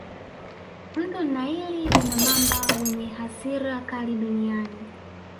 Mto naili una mamba wenye hasira kali duniani